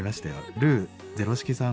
ルーゼロシキさん。